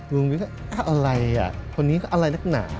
ลุงวิทย์ก็อะไรอ่ะคนนี้ก็อะไรนักหนา